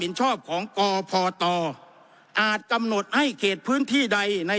ชอบของกพตอาจกำหนดให้เขตพื้นที่ใดใน